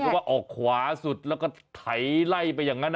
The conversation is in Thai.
เพราะว่าออกขวาสุดแล้วก็ไถไล่ไปอย่างนั้น